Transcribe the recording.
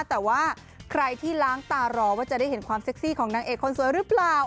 แต่ว่าใครที่ล้างตารอว่าจะได้เห็นความเซ็กซี่ของนางเอกคนสวยหรือเปล่า